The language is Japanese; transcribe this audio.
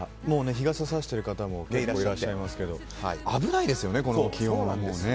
日傘さしている方も結構いらっしゃいますけど危ないですよね、この気温は。